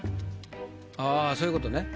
ああそういう事ね。